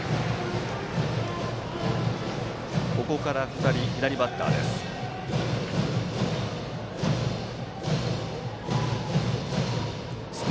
ここから２人、左バッターです。